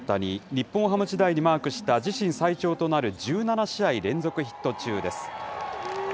日本ハム時代にマークした自身最長となる１７試合連続ヒット中です。